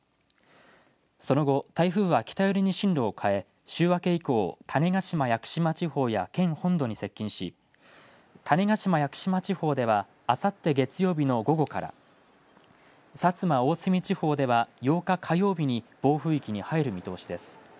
その後、台風は北寄りに進路を変え週明け以降、種子島・屋久島地方や県本土に接近し、種子島・屋久島地方ではあさって月曜日の午後から、薩摩、大隅地方では８日火曜日に暴風域に入る見通しです。